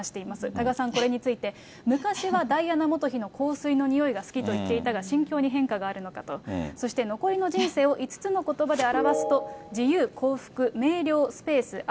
多賀さん、これについて、昔はダイアナ元妃の香水の匂いが好きと言っていたが、心境に変化があるのかと、そして残りの変化を５つのことばで表すと、自由、幸福、明瞭、スペース、愛。